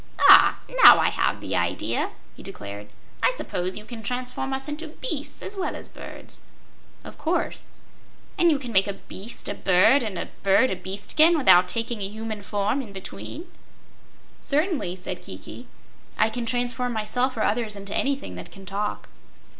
"Ah, now I have the idea!" he declared. "I suppose you can transform us into beasts as well as birds?" "Of course." "And can you make a bird a beast, and a beast a bird again, without taking a human form in between?" "Certainly," said Kiki. "I can transform myself or others into anything that can talk.